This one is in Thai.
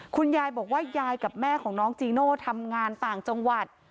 คุณยายบอกว่ายายกับแม่ของน้องจีโน่ทำงานต่างจังหวัด